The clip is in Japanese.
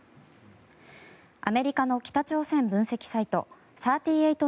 アメリカの北朝鮮分析サイト３８